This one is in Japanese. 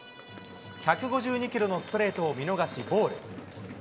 １５２キロのストレートを見逃しボール。